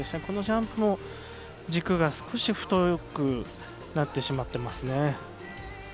このジャンプも軸が少し太くなってしまっていますね。